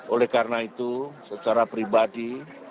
oleh karena itu secara pribadi